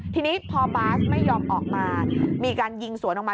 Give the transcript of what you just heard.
ทีนี้พอบาสไม่ยอมออกมามีการยิงสวนออกมา